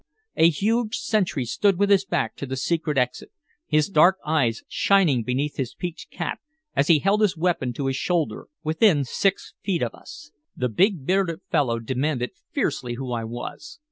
A huge sentry stood with his back to the secret exit, his dark eyes shining beneath his peaked cap, as he held his weapon to his shoulder within six feet of us. The big, bearded fellow demanded fiercely who I was.